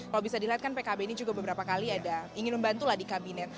kalau bisa dilihat kan pkb ini juga beberapa kali ada ingin membantu lah di kabinet